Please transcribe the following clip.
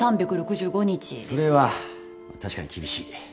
それは確かに厳しい。